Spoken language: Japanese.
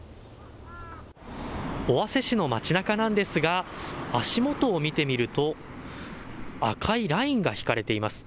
尾鷲市の街なかなんですが、足元を見てみると、赤いラインが引かれています。